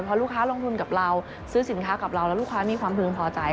พอลูกค้าลงทุนกับเราซื้อสินค้ากับเราแล้วลูกค้ามีความพึงพอใจ